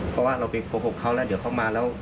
เพราะว่าเราไปโกหกเขาแล้วเดี๋ยวเขามาแล้ว